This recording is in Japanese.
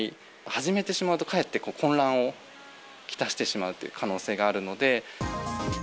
始めてしまうとかえって混乱をきたしてしまうっていう可能性があるので。